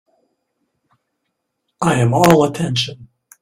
I am all attention.